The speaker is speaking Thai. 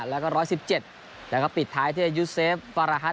แล้วก็ร้อยสิบเจ็ดแล้วก็ปิดท้ายที่ยูเซฟฟาราฮัต